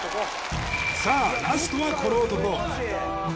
さあラストはこの男